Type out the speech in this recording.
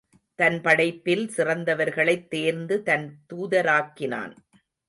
தன் படைப்பில் சிறந்தவர்களைத் தேர்ந்து, தன் தூதராக்கினான்.